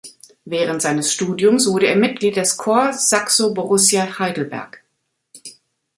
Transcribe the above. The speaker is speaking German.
Während seines Studiums wurde er Mitglied des Corps Saxo-Borussia Heidelberg.